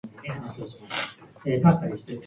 予約するのはめんどくさい